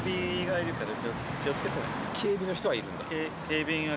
警備の人はいるんだ。